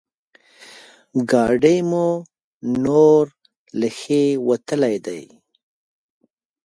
ګاډی مو نور له ښې وتلی دی.